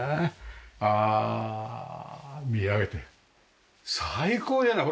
ああ見上げて最高じゃない！